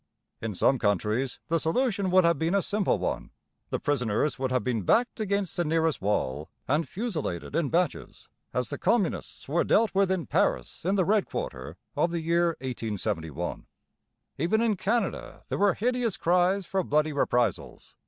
In some countries the solution would have been a simple one: the prisoners would have been backed against the nearest wall and fusilladed in batches, as the Communists were dealt with in Paris in the red quarter of the year 1871. Even in Canada there were hideous cries for bloody reprisals.